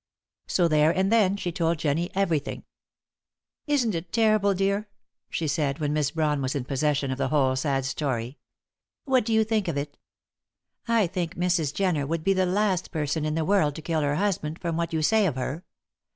So there and then she told Jennie everything. "Isn't it terrible, dear?" she said when Miss Brawn was in possession of the whole sad story. "What do you think of it?" "I think Mrs. Jenner would be the last person in the world to kill her husband, from what you say of her.